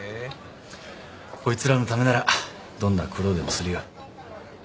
こいつらのためならどんな苦労でもするよ。